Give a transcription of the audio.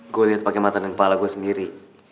gue liat pake mata dan kepala gue sendiri